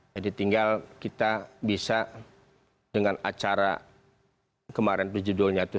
jadi tinggal kita bisa dengan acara kemarin berjudulnya itu